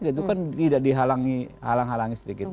itu kan tidak dihalangi sedikit